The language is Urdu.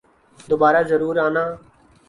دوبارہ ضرور آنا